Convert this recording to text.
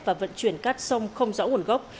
và vận chuyển cắt sông không rõ nguồn gốc